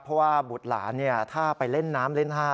เพราะว่าบุตรหลานถ้าไปเล่นน้ำเล่นท่า